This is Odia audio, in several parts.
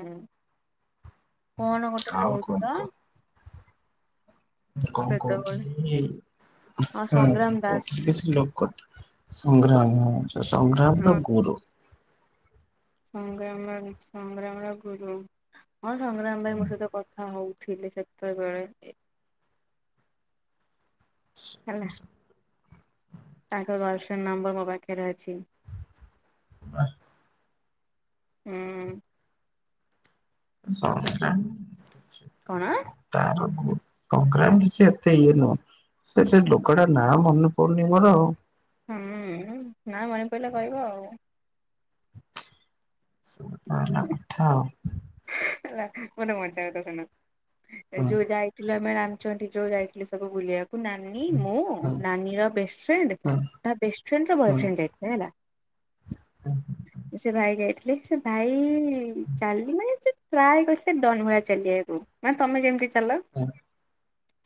ହୁଁ କଣ ଗୋଟେ ଆଉ କଣ କହୁଥିଲ? କହ? କଣ ବେତବେଳେ କହୁଥିଲି ହଁ ସଂଗ୍ରାମ ଦାସ ଲୋକ କ [unintelligible] ସଂଗ୍ରାମ ସଂଗ୍ରାମ ର ଗୁରୁ। ସଂଗ୍ରାମର ସଂଗ୍ରାମର ଗୁରୁ। ହଁ ସଂଗ୍ରାମ ଭାଇ ମୋ ସହିତ କଥା ହଉଥିଲେ ସେତେବେଳେ। ହେଲା ତାଙ୍କ ଗାର୍ଲଫ୍ରେଣ୍ଡ ନମ୍ବର୍ ମୋ ପାଖରେ ଅଛି। ବାସ୍ ହୁଁ ଅଛି କଣ [inaudible] ତାର ପ୍ରୋଗ୍ରାମ କିଛି ଏତେ ଇଏ ନୁହ। ସେ ସେ ଲୋକଟା ନାଁ ମନେ ପଡ଼ୁନି ମୋର ଆଉ। ହୁଁ ନା ମନେ ପଇଲେ କହିବ ଆଉ। ସେଇପା ହେଲା କଥା ଆଉ। ହେଲା ଗୋଟେ ମଜାକଥା ଶୁଣ ଏ ହୁଁ ଯୋଉ ଯାଇ ରାମଚଣ୍ଡି ଯୋଉ ଯାଇଥିଲି ସବୁ ବୁଲିବାକୁ ନାନୀ ହୁଁ ମୁଁ ହୁଁ ନାନୀର ବେଷ୍ଟ ଫ୍ରେଣ୍ଡ୍। ହୁଁ ତା ବେଷ୍ଟ ଫ୍ରେଣ୍ଡର ହୁଁ ହୁଁ ବଏଫ୍ରେଣ୍ଡ୍ ଯାଇଥିଲେ ହେଲା ହୁଁ ସେ ଭାଇ ଯାଇଥିଲେ। ସେ ଭାଇ ଚାଲିମାନେ ସେ ପ୍ରାୟ କ ସେ ଡନ୍ ଭଳି ଚାଲିିବାକୁ ମାନେ ତମେ ଯେମିତି ହ୍ୟାଲୋ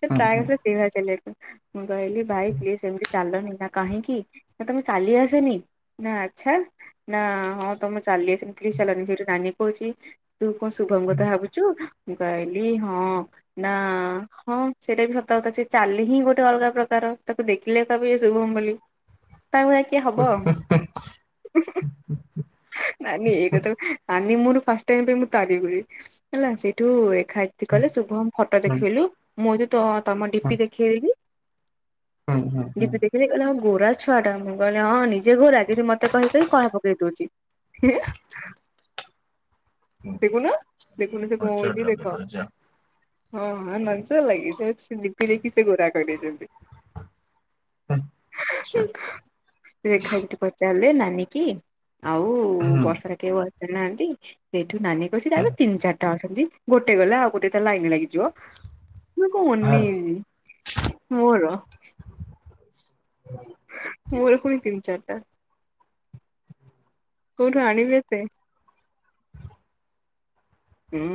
ସେ ହୁଁ। ହୁଁ ହୁଁ ହୁଁ ପ୍ରାୟତ ସେଇଭଳିଆ ଚାଲିବାକୁ। ମୁଁ କହିଲି ଭାଇ ପ୍ଲିସ୍ ଏମିତି ଚାଲନି କା କାହିଁକି ନା ତମେ ଚାଲି ଆସେନି ନା ଆଛା। ନା ହଁ ତମେ ଚାଲି ସେମିତି ହେ ଚାଲନି ସେଇଠି ନାନୀ କହୁଛି ତୁ କଣ ଶୁଭମ୍ କଥା ଭାବୁଛୁ ଚୁ ମୁଁ କହିଲି ହଁ ନା ହଁ ସେଇଟା ବି ସତା କଥା ସେ ଚାଲି ହିଁ ଗୋଟେ ଅଲଗା ପ୍ରକାର ତାକୁ ଦେଖିଲେ କହିବୁ ଇଏ ଶୁଭମ୍ ବୋଲି। ତା ଭଳିଆ କିଏ ହବ ହୁଁ ହୁଁ। [inaudible] ନାନୀ ଏଇଟାତ ନାନୀ ମୋର ଫାଷ୍ଟ୍ ଟାଇମ୍ ପାଇଁ ମୁଁ ତାରି ହୁଏ ହେଲା ସେଇଠୁ ଏଖାଏ ସି କହିଲେ ଶୁଭମ ଫଟୋ ହୁଁ ଦେଖେଇଲୁ ମୁଁ ତ ତ ତମ ଡି ପି ଦେଖେଇଲି। ହୁଁ ହୁଁ ହୁଁ। କହିଲି ହଁ ଗୋରା ଛୁଆ ଟା ମୁଁ କହିଲି ହଁ ନିଜେ ଗୋରା କିନ୍ତୁ ମତେ କହି କହି କଳା ପକେଇ ଦଉଛି। [unintelligible] ଦେଖୁନ ଦେଖୁନ ସେ କଣ ହୋଉଛି ହଜାର ଟଙ୍କା ଦେଖ। ଦଉଚି ଆଉ। ହଁ ହଁ ନଜର ଲାଗିଯାଉଚି ସେ ଡିପି ଦେଖିକି ସେ ଗୋରା କରିଦେଇଛନ୍ତି। ଆଚ୍ଛା ହୁଁ ହୁଁ। ହୁଁ, ହୁଁ, ରେଖା ଦିଦୀ ପଚାରିଲେ ନାନୀ କି ଆଉ ହୁଁ, ହୁଁ, ହୁଁ, ହୁଁ, ହୁଁ, ହୁଁ, ହୁଁ, ବର୍ଷାରେ କେଉ ଆସି ନାହାନ୍ତି। ସେଇଠୁ ନାନୀ କହିଛି ହୁଁ, ତାରବା ତିନି ଚାରଟା ଅଛନ୍ତି ଗୋଟେ ଗଲେ ଆଉ ଗୋଟେ ତା ଲାଇନ୍ ଲାଗିଯିବ। ମୁ କୁ ଅନେଇଚି ମୋର। ମୋର ପୁଣି ତିନି ଚାରିଟା କୋଉଠୁ ଆଣିିବି ଏତେ? ହୁଁ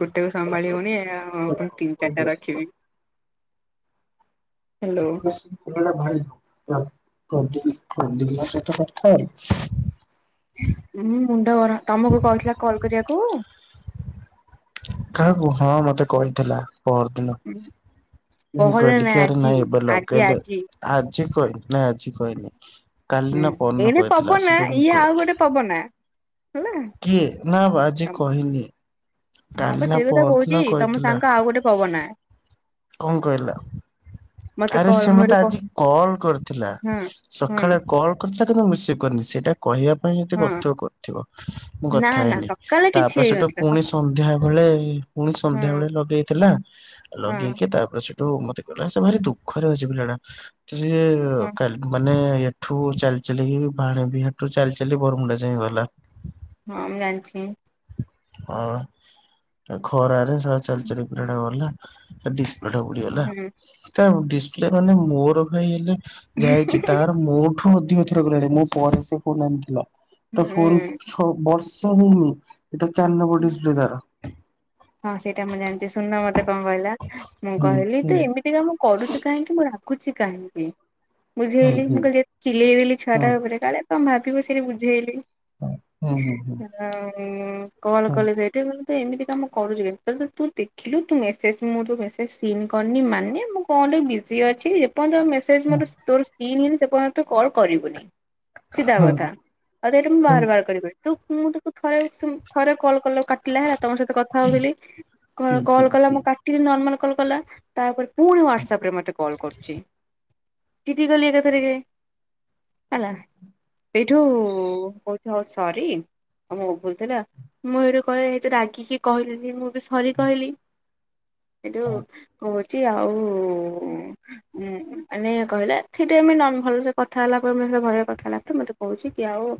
ଗୋଟେକୁ ସମ୍ଭାଳିିହଉନି ଆଉ ପୁଣି ତିନି ଚାରିଟା ରଖିବି। ହାଲୋ। [unintelligible] ମୁଁ ମୁଣ୍ଡ ଗର ତମକୁ କହିଥିଲା କଲ କରିବାକୁ? କାହାକୁ ହଁ ମତେ କହିଥିଲା ପହର ଦିନ। ହୁ। ମୁଁ କହିଲି କି ଆରେ ନାଇଁ ଏବେ ଆଜି ଲଗେଇଲେ ଆଜି ଆଜି କହିନି ନାଇଁ ଆଜି କହିନି। ହୁଁ କାଲିନା ପର ଦିନ ଏଇନେ କହିଥିଲା ପବନା ସେଠୁ ମୁଁ ଇଏ ଆଉ କଲି। ଗୋଟେ ପବନା ହେଲା କିଏ ନା ବା ଆଜି କହିନି। ହଁ କାଲି ବା ନା ସେଇ କଥା ପହରଦିନ କହୁଛି ତମ କହିଥିଲା ସାଙ୍ଗ ଆଉ ଗୋଟେ ପବନା। କଣ କହିଲ? ମତେ ଆରେ କଲ୍ ସେ ମୁଁ ହେଠୁ ମତେ ଆଜି କଲ କରିଥିଲା ହଁ ହଁ ସଖାଳେ କଲ କରିଥିଲା କିନ୍ତୁ ମୁଁ ମେସେ କରିନି ସେଇଟା କହିବା ପାଇଁ ଯଦି ହଁ କରୁଥିବ କରିଥିବ ମୁଁ ନା କଥା ନା ହେଇନି। ସକାଳେ କିଛି ତାପରେ ସେଠୁ ହେଇନଥିଲା ପୁଣି ସନ୍ଧ୍ୟାବେେଳେ ପୁଣି ହଁ ସନ୍ଧ୍ୟାବେଳେ ଲଗେଇଥିଲା। ହଁ ଲଗେଇକି ତାପରେ ସେଠୁ ମତେ କହିଲା ସେ ଭାରି ଦୁଃଖରେ ଅଛି ପିଲାଟା ତ ସିଏ ହଁ କାଲ୍ ମାନେ ଏଠୁ ଚାଲିଚାଲିକି ବାଣୀ ବିହାର ଠୁ ଚାଲି ଚାଲି ବରମୁଣ୍ଡା ଯାଏ ଗଲା। ହଁ ମୁଁ ଜାଣିଚି। ହଁ ଏ ଖରାରେ ଶଳା ଚାଲି ଚାଲି ପିଲାଟା ଗଲା। ତା ଡିସପ୍ଲେ ଟା ଉଡ଼ିଗଲା ହୁଁ ତା ଡିସପ୍ଲେ ମାନେ ମୋର ଭାଇ ହେଲେ ଯାଇଛି ତାର ମୋଠୁ ଅଧିକ ଥର ଗଲାଣି, ମୋ ପରେ ସେ ଫୋନ୍ ଆଣିଥିଲା ତା ଫୋନ୍ ହୁଁ କୁ ବର୍ଷ ହେଇନି ଏଟା ଚାରି ନମ୍ବର ଡିସପ୍ଲେ ତାର। ହଁ ସେଇଟା ମୁଁ ଜାଣିଚି ସୁନନ ମତେ କଣ କହିଲା ମୁଁ ହୁଁ କହିଲି ହୁଁ ତୁ ଏମିତିକା ମୁଁ କରୁଚୁ କାହିଁକି ମୁଁ ରାଗୁଚି କାହିଁକି। ଡରେଇ ଧମକି ରଖୁଛି ବୁଝେଇଲି ପୁରା। ମୁଁ କହିଲି ତୁ ଚିଲେଇଦେଲି ହଁ ଛୁଆଟା ଉପରେ କାଳେ କଣ ଭାବିବ ସେଇଠି ବୁଝେଇଲି। ହ ହୁଁ ହୁଁ ହୁଁ। ହଁ କଲ କଲେ ସେଇଠି କହିଲି ତୁ ଏମିତି କାମ କରୁଛୁ କାଇଁ ଲି ତୁ ଦେଖିଲୁ ତୁ ମେସେଜ ମୁଁ ତୋ ମେସେଜ ସିନ କରିନି ମାନେ ମୁଁ କଣ ଗୋଟେ ବିଜି ଅଛି। ପର୍ଯ୍ୟନ୍ତ ମେସେଜ୍ ମୋର ତୋର ସିନ୍ ହେଇନି ସେପର୍ଯ୍ୟନ୍ତ ତୁ କଲ୍ କରିବୁନି ସିଧା କଥା। ତାକୁ ଏଇଟା ମୁଁ ବାର ବାର କରି କହିବି ତୁ ଫୁନୁ ତାକୁ ଥରେ କଲ୍ କଲ କାଲି କାଟିଲା ତମ ସହିତ କଥା ହଉଥିଲି କଲ କଲା ମୁଁ କାଟିିଲି ନର୍ମାଲ କଲ କଲା ତାପରେ ପୁଣି ହ୍ୱାଟ୍ସାପ ରେ ମୋତେ କଲ କରୁଚି ଚିଡ଼ିଗଲି ଏକାଥରେକେ। ହେଲା ହେଇଠୁ କହୁଚି ହଉ ସରି। ମୋ ଭୁଲଥିଲା ମୁଁ ହେଇଠୁ କହେ ଏତେ ରାଗିକି କହିଲିନି ମୁଁ ବି ସରି କହିଲି। ଏଠୁ କହୁଛି ଆଉ ଉଁ ମାନେ କହିଲା ଠିକ ଟାଇମି ନ ଭଲସେ କଥା ହେଲା ପରେ ଭଲଆ କଥା ହେଲା ପରେ ମତେ କହୁଛି କି ଆଉ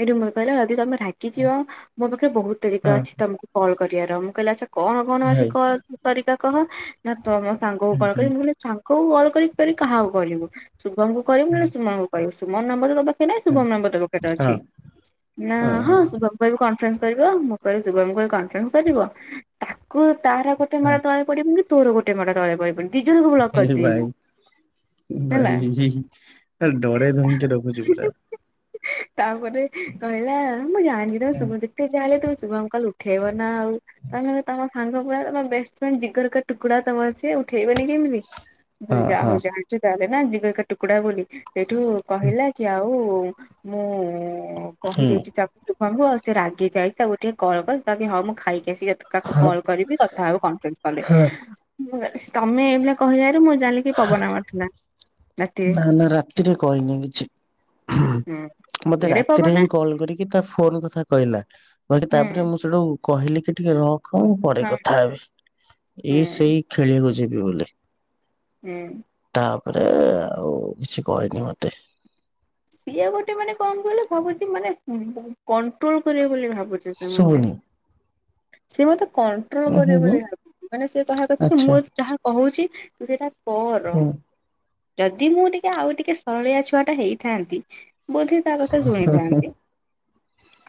ଏଇଠୁ ମ ବଇଲା ଯଦି ତମେ ରାଗିଯିବ ମୋ ପାଖରେ ବହୁତ ତରିକା ଅଛି ତମକୁ କଲ୍ କରିବାର ମୁଁ କହିଲି ଆଛା କଣ କଣ ଅଛି କ ତରିକା କହ ନା ତମ ସାଙ୍ଗକୁ କଲ କରିବି ମୁ କହିଲି ସାଙ୍ଗକୁ କଲ କରି କରି କାହାକୁ କରିବୁ ଶୁଭମ କୁ କରିବୁ ନଲେ ସୁମନଙ୍କୁ କରିବୁ ସୁମନ ନମ୍ୱର୍ ତୋ [unintelligible] ନା ଶୁଭମ ନମ୍ବର ତ ପାଖରେ ଅଛି ନା ହଁ ଶୁଭମ କହିବି କନଫରେନ୍ସ କରିବ ମୁଁ କହିଲି ସୁଭମ୍ କୁ କହିବି କନଫରେନ୍ସ କରିବ ତାକୁ ତାର ଗୋଟେ ମା ତ ପଡ଼ିବନି ତୋର ଗୋଟେ ମାଡ଼ ତଳେ ପଡ଼ିବନି ଦି ଜଣ କୁ ବ୍ଲକ କରିଦେବି ମୁଁ। ହେଲା ଭାଇ ରେ, ପୁରା ଡରେଇ ଧମକେଇ ରଖୁଛି ପୁରା। ତାପରେ କହିଲା ମୁଁ ଜାଣିଚି ତମେ ଶୁ ଯେତେ ଯା ହାହେଲେ ବି ତୁମେ ଶୁଭମ କଲ୍ ଉଠେଇବ। ନା ଆଉ ତମେ ତମ ସାଙ୍ଗ ପରା ତମ ବେଷ୍ଟଫ୍ରେଣ୍ଡ୍ ଜିଗର କା ଟୁକୁଡ଼ା ତମର ସିଏ। ଉଠେଇବନି କେମିତି? ମୁଁ କହିଲି ଯାହଉ ଜାଣିଚ ତାହାଲେ ନା ଜିଗର୍ କା ଟୁକଡ଼ା ବୋଲି। ସେଇଠୁ କହିଲା କି ଆଉ ମୁଁ କହିଦେଇଛି ତା ଶୁଭମ୍ କୁ, ଆଉ ସେ ରାଗି ଯାଇଚି ତାକୁ ଟିକେ କଲ କର। ମୁଁ ଖାଇି ଆସିକି ତାକୁ କଲ୍ କରିବି, କଥା ହବୁ କନଫ୍ରେନ୍ସ ହଁ କଲରେ। ତମେ ଏଇଭଳିଆ କହିବାରୁ ମୁଁ ଜାଣିଲି କି ପବନା ମାରୁଥିଲା। ରାତିରେ। ନା ନା ରାତିରେ କହିନି କିଛି। ହୁଁ ମତେ ଏଡେ ରାତିରେ ହିଁ ପବନା କଲ୍ କରିକି ତା ଫୋନ କଥା କହିଲା, କହିଲା ହୁଁ ତାପରେ ମୁଁ ସେଠୁ କହିଲି କି ଟିକେ ରଖ ମୁଁ ପରେ ହଁ କଥା ହେବି, ଏଇ ହୁଁ ସେଇ ଖେଳିବାକୁ ଯିବି ବୋଲି। ହୁଁ ଉଁ ତାପରେ ଆଉ କିଛି କହିନି ମତେ। ସିଏ ଗୋଟେ ମାନେ କଣ କହିଲ, କହୁଛି ମାନେ କଣ୍ଟ୍ରୋଲ କରିବେ ବୋଲି ଭାବୁଛି। ଶୁଭୁନି ସିଏ ମତେ କନ କରିବ ଉଁ ବୋଲି ହୁଁ ହୁଁ ଭାବ, ମାନେ ସେ କହ କଥା କି ଆଚ୍ଛା ମୁଁ ଯାହା କହୁଛି ତୁ ସେଇଟା କର। ହୁଁ ଯଦି ମୁଁ ଟିକେ ଆଉ ଟିକେ ସରଳିଆ ଛୁଆ ଟା ହେଇଥାନ୍ତି, ବୋଧେ ତା କଥା ହୁଁ ହୁଁ ଶୁଣିଥାନ୍ତି,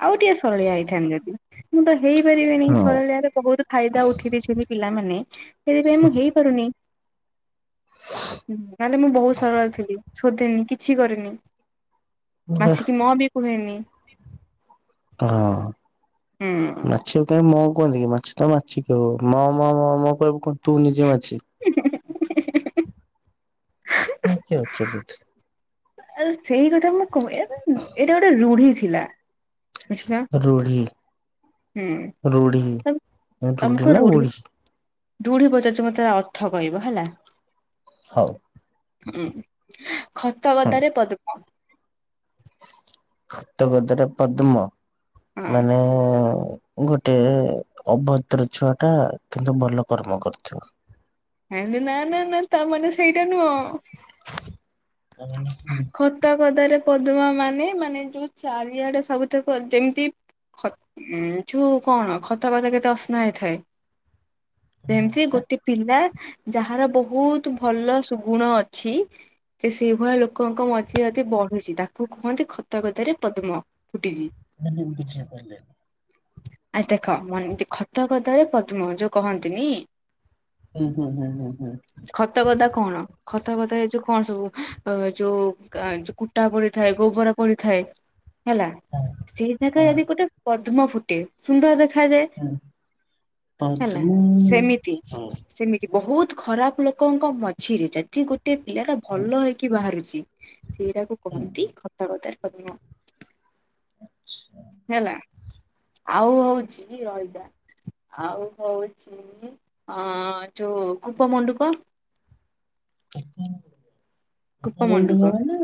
ଆଉ ଟେ ସରଳିଆ ହେଇଥାନ୍ତି ଯଦି, ମୁଁ ତ ହେଇପାରିବିନି ହଁ ସରଳିଆ ର ବହୁତ ଫାଇଦା ଉଠି ଦେଇଛନ୍ତି ପିଲାମାନେ, ସେଥିପାଇଁ ମୁଁ ହେଇପାରୁନି। ନହେଲେ ମୁଁ ବହୁତ ସରଳ ଥିଲି, ଶୋଧେନି କିଛି କରେନି। ବା ମାଛିିକି ମ ବି କୁହେନି। ହଁ ହୁଁ। ଅଁ ମାଛିବା କାଇଁ ମ କୁହନ୍ତି କି ମାଛ ତ ମାଛିିକ ମ ମ ମ ମ କହିବୁ କୁହ ତୁ ନିଜେ ମାଛି? ହୁଁ ହୁଁ ହୁଁ ହୁ ହୁ ହୁ [unintelligible] ଆ ସେଇ କଥା ମୁଁ କ, ଏଇଟା ଗୋଟେ ରୁଢି ଥିଲା। ବୁଝିଲ ରୁଢ଼ି ହୁଁ। ରୁଢି, ରୁଢି ନା ବୁଢ଼ି। ରୁଢି ପଚାରୁଛି ମତେ ଅର୍ଥ କହିବ ହେଲା? ହଉ। ହଁ, ଖତ ହଁ ଗଦାରେ ପଦ୍ମ? ଖତଗଦାରେ ପଦ୍ମ, ହଁ ମାନେ ଗୋଟେ ଅଭଦ୍ର ଛୁଆ ଟା କିନ୍ତୁ ଭଲ କର୍ମ କରିଥିବ। ଏଇ ନା ନା ନା ତା ମାନେ ସେଇଟା ନୁହଁ। କ [unintelligible] ଖତ କଦାରେ ପଦ୍ମା ମାନେ, ମାନେ ଯୋଉ ଚାରିଆଡେ ସବୁଥି ଯେମିତି ଉଁ ତୁ କଣ ଖତା ଖତା କେତେ ଅସ୍ନା ହେଇଥାଏ? ସେମିତି ଗୋଟେ ପିଲା ଯାହାର ବହୁତ ଭଲ ସୁଗୁଣ ଅଛି, ଯେ ସେଇଭଆ ଲୋକ ଲୋକଙ୍କ ମଝି ଅତି ବଢୁଛି, ତାକୁ କୁହନ୍ତି ଖତ ଗଦାରେ ପଦ୍ମ ଫୁଟିଛି। ମାନେ ଯେମିତି ଝିଅ କହିଲେ। ଆ ଦେଖ ମ ଖତ କଦ ରେ ପଦ୍ମ ଯୋଉ କହନ୍ତିନି? ହୁଁ ହୁଁ ହୁଁ ହୁଁ ହୁଁ। ଖତଗଦା କଣ? ଖତଗଦା ଏ ଯଉ କଣ ସବୁ ଅ ଯୋଉ କୁଟା ପଡିଥାଏ, ଗୋବର ପଡିଥାଏ। ହେଲା, ହଁ ସେଇ ଜାଗାରେ ହଁ ଯଦି ଗୋଟେ ପଦ୍ମ ଫୁଟେ ସୁନ୍ଦର ଦେଖାଯାଏ। ହଁ ହେଲା ସେମିତି [unintelligible] ସେମିତି ବହୁତ ଖରାପ ଲୋକଙ୍କ ମଝିରେ, ଯଦି ଗୋଟେ ପିଲା ଟା ହୁଁ ଭଲ ହେଇକି ବାହାରୁଛି ସେଇଟାକୁ ହୁଁ କହନ୍ତି ଖତ ଗଦାରେ ପଦ୍ମ। ଆଚ୍ଛା ହେଲା। ଆଉ ହଉଚି ରହିଥା, ଆଉ ହଉଛି ଚି ଅ, ଯୋଉ କୂପ ମଣ୍ଡୁକ। [inaudible] କୂପ ମଣ୍ଡୁକ ମାନେ?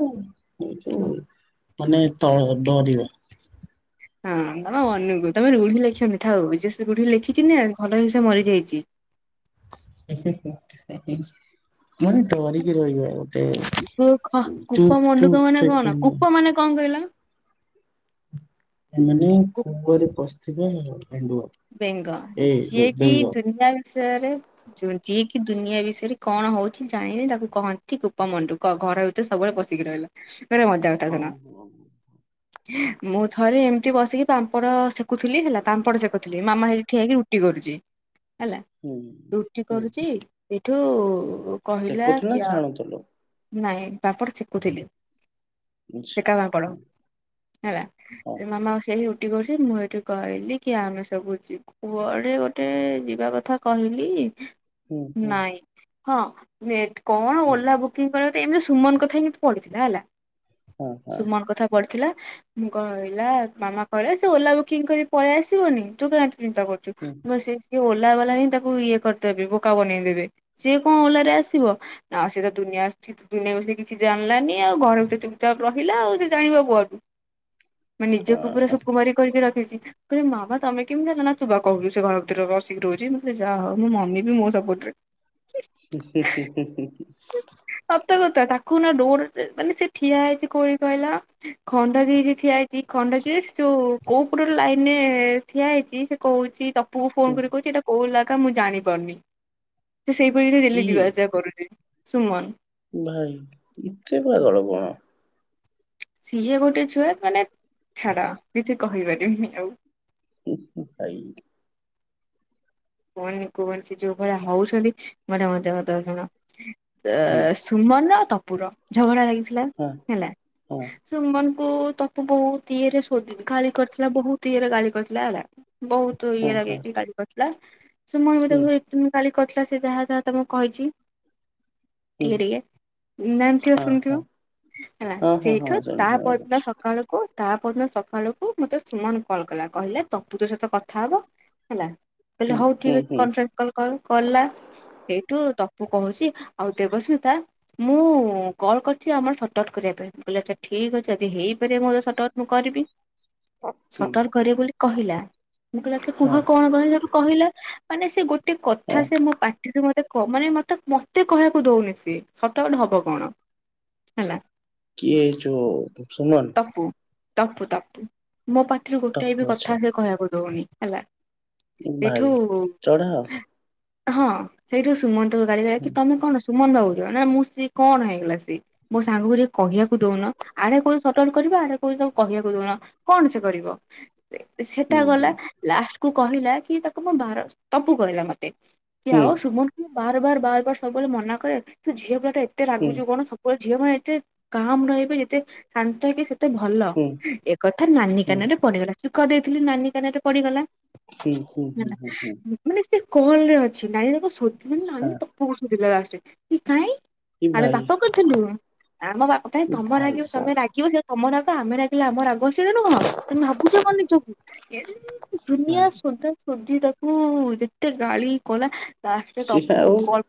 ଏଇ ଯୋଉ ମାନେ ତଳ ଡରିବା। ହଁ ତୋମ ମନୁକୁ, ତୋମେ ରୁଢ଼ି ଲେଖିବନି ଥାଉ, ଯିଏ ସେ ରୁଢି ଲେଖିଚି ନା ଭଲ ହେଇ ସେ ମରିଯାଇଚି। ମାନେ ଡରିକି ରହିବ ଗୋଟେ କୂଫ ଚୁପ୍ କୂପ ଚୁପ୍ ମଣ୍ଡୁକ ମାନେ ସହିତ କଣ? ନୁହଁ। କୂପ ମାନେ କଣ କହିଲ? ଏ ମାନେ କୂଅରେ ପସିିଥିବା ଏଣ୍ଡୁଅ। ବେଙ୍ଗ, ଏ ଯୋଉ ଯିଏ କିି ବେଙ୍ଗ। ଦୁନିଆ ବିଷୟରେ ଯୁ ଯିଏ କିି ଦୁନିଆ ବିଷୟରେ କଣ ହଉଛି ଜାଣିନି ତାକୁ କହନ୍ତି କୂପ ମଣ୍ଡୁକ। ଘର ସେ ସବେଳେ ପସିକି ରହିଲା ଗୋଟେ ହଁ ମଜା ହଁ ହଁ। [unintelligible] ମୁଁ ଥରେ ଏମତି ବସିକି ପାମ୍ପଡ ସେକୁଥିଲି ହେଲା, ପାମ୍ପଡ ସେକୁଥିଲି ମାମା ସେଠି ଠିଆ ହେଇକି ରୁଟି କରୁଚି। ହେଲା ହୁଁ ରୁଟି ହୁଁ କରୁଚି, ଏଠୁ କହିଲା ସେକୁଥିଲ କି ନା ଆ ଛାଣୁଥିଲ? ନାଇଁ ପାମ୍ପଡ ସେକୁଥିଲି। ଆଚ୍ଛା। ସେକା ପାମ୍ପଡ। ହେଲା ହଁ ଏ ମାମା ସେଇ ରୁଟି କରୁଛି। ମୁଁ ଏଠି କହିଲି କି ଆମେ ସବୁ ଯି କୁଆଡେ ଗୋଟେ ଯିବା କଥା କହିଲି, ହୁଁ ହୁଁ ନାଇଁ ହଁ ନେଟ୍ କଣ ହୁଁ ଓଲା ବୁକିଂ କରିବା ତ ଏମିତି ସୁମନ କଥା ହିଁ ପଡିଥିଲା ହେଲା। ହଁ ହଁ ସୁମନ କଥା ପଡିଥିଲା। ମୁଁ କହିଲା ମାମା କହିଲା ସେ ଓଲା ବୁକିଂ କରି ପଳେଇ ଆସିବନି। ତୁ କାଇଁ ଏତେ ଚିନ୍ତା କରୁଛୁ। ହୁଁ। ମୁଁ କହିଲି ସିଏ କି ଓଲାବାଲା ହିଁ ତାକୁ ଇଏ କରିଦେବେ ବୋକା ବନେଇ ଦେବେ। ସିଏ କଣ ଓଲା ରେ ଆସିବ। ଆଉ ସେ ତ ଦୁନିଆ [inaudible] ଦୁନିଆ ବିଷୟେ କିଛି ଜାଣିଲାନି ଆଉ। ଘର ଭିତରେ ଚୁପ୍ ଚାପ ରହିଲା ଆଉ ସେ ଜାଣିବ କୁଆଡୁ। ମାନେ ନିଜକୁ ପୁରା ସୁକୁମାରି କରିକି ରଖିସି। ମୁଁ କହିଲି ମାମା ତୋମେ କେମିତି ଜାଣିଲ? ନା ତୁ ବା କହୁଲୁ ସେ ଘର ଭିତରେ ରସି ରହୁଚି। ମୁଁ କହିଲି ଯାହା ହଉ ମୋ ମମି ବି ମୋ ସପୋର୍ଟ ରେ। ସେ ସତ କଥା ତାକୁ ନା ଡୋଡର ମାନେ ସେ ଠିଆ ହେଇଛି କୋଉ ଇଏ କହିଲ? ଖଣ୍ଡଗିରି ଠିଆ ହେଇ ସେଇ ଖଣ୍ଡଗିରି ଯୋଉ କୋଉ ପଟ ଗୋଟେ ଲାଇନ୍ ରେ ଠିଆ ହେଇଚି। ସେ କହୁଚି ତ ପୁଅ ହଁ ଫୋନ୍ କରି କହୁଚି ଏଟା କୋଉ ଇଲାକା ମୁଁ ଜାଣିପାରୁନି। ସେ ସେଇ ପଇରେ ଡେଲି କିଏ ଯିବା ଆସିବା କରୁଚି ସୁମନ। ଭାଇ ଏତେ ପାଗଳ କଣ। ସିଏ ଗୋଟେ ଛୁଆ ମାନେ ଛାଡ କିଛି କହିପାରିମିନି ଆଉ। ଉଁ, ହୁଁ ଭାଇ। କୁହନି କୁହନି ସେ ଯୋଉ ଭଳିଆ ହଉଛନ୍ତି ମାନେ ମଜା କଥା ଶୁଣ ଏ ସୁମନ ର ତପୁର ଝଗଡା ଲାଗିଥିଲା ହେଲା। ସୁମନକୁ ତପୁ ବହୁତ ଇଏ ରେ ସୋଦିଚି, ଗାଳି କରିଥିଲା ବହୁତ ଇଏରେ ଗାଳି କରିଥିଲା ହେଲା। ବହୁତ ଇଏ ଲାଗିକି ଗାଳି କରିଥିଲା। ସୁମନ ବି ତାକୁ ଏତ୍ ଉଁ, ଗାଳି କରିଥିଲା ସେ ଯାହା ଯାହା ତୋ ମୁଁ କହିଛି, ଟିକେ ଟିକେ। ଉଁ, ଜାଣିଥିବ ଶୁଣିଥିବ ହେଲା ସେଇଠୁ ତା ପରଦିନ ସ କାଳକୁ ତା ପରଦିନ ସଖାଳକୁ ମୋତେ ସୁମନ କଲ୍ କଲା। କହିଲା ତପୁ ତୋ ସହିତ କଥା ହବ। ହେଲା କହିଲି ହଉ ଠିକ ଅଛି କନଫ୍ରେନ୍ସ କଲ୍ କର କଲା। ସେଇଠୁ ତପୁ କହୁଛି ଆଉ ଦେବସ୍ମିତା ମୁଁ କଲ୍ କରିଛି ଆମର ସର୍ଟ ଆଉଟ୍ କରିବା ପାଇଁ। ମୁଁ କହିଲି ଆଚ୍ଛା ଠିକ ଅଛି ଯଦି ହେଇପାରିବ ମୋ ଦ୍ବାରା ସର୍ଟ ଆଉଟ୍ ମୁଁ କରିବି। ହ ସର୍ଟ ଆଉଟ୍ କରିବ ବୋଲି କହିଲା। ମୁଁ କହିଲି ଆଚ୍ଛା କୁହ କଣ ପାଇଁ ସବୁ କହିଲା ମାନେ ସେ ଗୋ ଟେ କଥା ସେ ମୋ ପା କିନ୍ତୁ ମୋତେ କ- ମାନେ ମୋତେ ମୋତେ କହିବାକୁ ଦଉନି ସିଏ। ସତ [unintelligible] ହବ କଣ। ହେଲା। କିଏ ଏଇ ଯୋଉ ସୁୁମନ? ପୁ ତପୁ ତାପୁ ମୋ ପାଟିରୁ ଗୋଟାଏ ତାକୁ ବି ଅଛି କଥା ସେ କହିବାକୁ ଦଉନି ହେଲା। ସେଇଠୁ ଭାଇ ଚଢା ଆଉ ହଁ ସେଇଠୁ ସୁମନ୍ତ ତାକୁ ଗାଲିଦେଲା କି ତମେ କଣ ସୁମନ୍ତ ଭାବୁଥିଲା ନାଁ ମୁଁ ସ୍ତ୍ରୀ କଣ ହେଇଗଲା ସେଇ ମୋ ସାଙ୍ଗକୁ ଟିକେ କହିବାକୁ ଦଉନ ଆଡେ କହୁଚ ସର୍ଟ କରିବା ଆଡେ କହୁଚ ତା କହିବାକୁ ଦଉନ। କଣ ସେ କରିବ? ସେଟା ହୁଁ ହୁଁ ଗଲା ଲାଷ୍ଟ କୁ କହିଲା କି ତାକୁ ମୋ ଭାରତ ତପୁ କହିଲା ମତେ। କି ହୁଁ ଆଉ ସୁମନକୁ ମୁଁ ବାର ବାର ବାର ବାର ସବୁବେଳେ ମନା କରେ ତୁ ଝିଅ ପିଲା ଟା ଏତେ ହୁଁ ରାଗୁଚୁ କଣ ସବୁ ଝିଅ ମାନେ ଏତେ କାମ ରହିବେ ଯେତେ ଶାନ୍ତ ହେଇ କି ସେତେ ଭଲ ହୁଁ ଏ କଥା ନାନୀ ହୁଁ କାନ ରେ ପଡିଗଲା। ସ୍ପିକର ଦେଇଥିଲି ନାନୀ କାନ ରେ ପଡିଗଲା। ହୁଁ। ହୁଁ ନାଁ ହୁଁ ହୁଁ ହୁଁ ନାଁ ମାନେ ସେ କଲ ରେ ଅଛି ନାଇଁ ତାକୁ ସୋଦ୍ ମାନେ ନାନୀ ହଁ ତପୁକୁ ସୋଦିଲା ଲାଷ୍ଟ୍ ରେ। କି କାଇଁ ଏ ଆମେ ଭାଇ ପାପ କରିଥିଲୁ, ଆମ ବାପ କାଇଁ ଏ ତମ ଭାଇ ରାଗିବ ତମେ ସାର୍ ରାଗିବ ତମ ରାଗ ଆମେ ରାଗିଲେ ଆମ ରାଗ୍ [unintelligible] ତମେ ଭାବୁଚ କଣ ନିଜକୁ ଏମିତି ଦୁନିଆ ଭାଇ ଶୋଦା ସଦି ତାକୁ ଯେତେ ଗାଳି କଲା। ଲାଷ୍ଟ ରେ ସିଏ ତପୁକୁ ଆଉ କଲ୍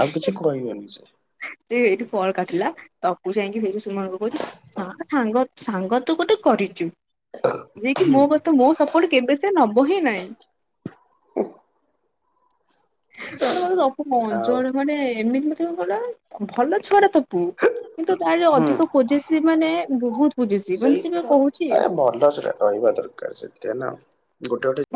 ଆଉ କିଛି କହିବନି ସେ ସେ ଏଇଠି କଲ କାଟିଲା, ତପୁ ଯାଇକି ପିଙ୍କୁ ସୁମନକୁ କହୁଚି ହଁ ସାଙ୍ଗ ସାଙ୍ଗ ତୁ ଗୋଟେ କରିଚୁ। ଯିଏ କି ମୋ କଥା ମୋ ସପୋର୍ଟ କେବେ ସେ ନବ ହିଁ ନହିଁ। [unintelligible] ନାଁ ମତେ ତପୁ ଆଉ ଗଞ୍ଜଡ଼ ମାନେ ଏମିତି ମତେ କଣ କହିଲ ଭଲ ଛୁଆ ଟା ତପୁ। କିନ୍ତୁ ତାହାଲେ ହୁଁ ଅଧିକ ପୋଯେସି ମାନେ ବହୁତ ପୋଯେସି ସେଇ ମାନେ ସେ ପା କହୁଚି କାର ସତ୍ୟାନ ଗୋଟେ ଗୋଟେ